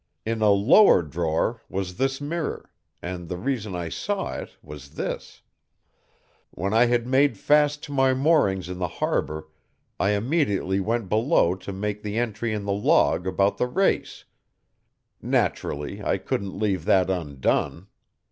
In a lower drawer was this mirror, and the reason I saw it was this: "When I had made fast to my moorings in the harbor I immediately went below to make the entry in the log about the race naturally I couldn't leave that undone.